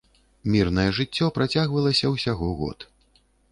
Мірнае жыццё працягвалася ўсяго год.